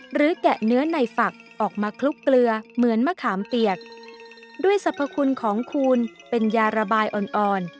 แกะเนื้อในฝักออกมาคลุกเกลือเหมือนมะขามเปียกด้วยสรรพคุณของคูณเป็นยาระบายอ่อนอ่อน